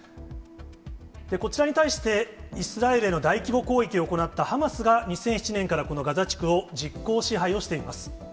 こちらに対して、イスラエルへの大規模攻撃を行ったハマスが２００７年からこのガザ地区を実効支配をしています。